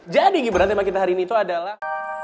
jadi gibran tema kita hari ini tuh adalah